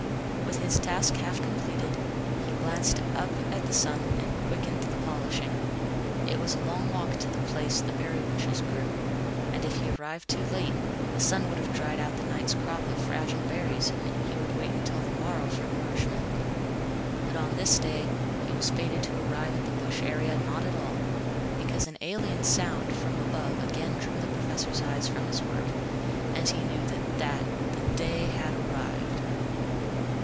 With his task half completed, he glanced up at the sun and quickened the polishing. It was a long walk to the place the berry bushes grew, and if he arrived too late, the sun would have dried out the night's crop of fragile berries and he would wait until the morrow for nourishment. But on this day, he was fated to arrive at the bush area not at all, because an alien sound from above again drew the Professor's eyes from his work, and he knew that the day had arrived.